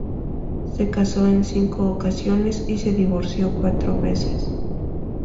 Se casó en cinco ocasiones y se divorció cuatro veces.